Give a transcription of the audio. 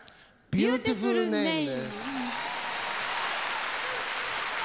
「ビューティフル・ネーム」！